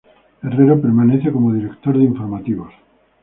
Herrero permanece como director de Informativos.